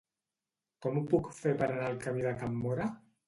Com ho puc fer per anar al camí de Can Móra?